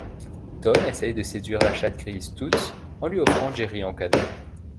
Tom essaie de séduire la chatte grise Toots en lui offrant Jerry en cadeau.